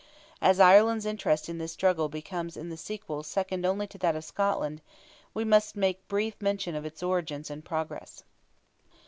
As Ireland's interest in this struggle becomes in the sequel second only to that of Scotland, we must make brief mention of its origin and progress.